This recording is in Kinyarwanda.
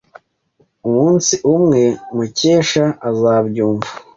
Umunsi umwe Mukesha azabyumva.